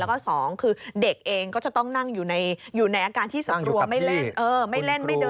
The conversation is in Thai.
แล้วก็สองคือเด็กเองก็จะต้องนั่งอยู่ในอาการที่สัตว์ครัวไม่เล่นไม่เดินไปมา